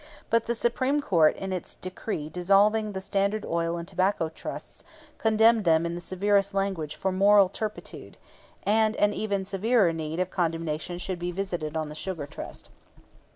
But the Supreme Court in its decree dissolving the Standard Oil and Tobacco Trusts, condemned them in the severest language for moral turpitude; and an even severer need of condemnation should be visited on the Sugar Trust.